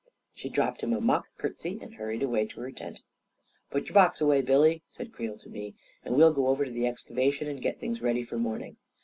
She dropped him a mock curtsey, and hurried away to her tent. 44 Put your box away, Billy," said Creel to me, " and we'll go over to the excavation, and get things ready for morning.